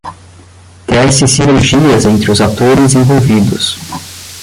Tece sinergias entre os atores envolvidos.